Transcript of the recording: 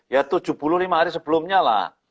ya tujuh puluh lima hari sebelumnya lah